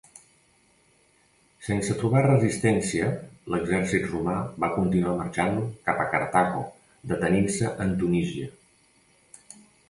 Sense trobar resistència l'exèrcit romà va continuar marxant cap a Cartago detenint-se en Tunísia.